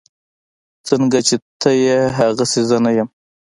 سنګه چې ته يي هسې زه نه يم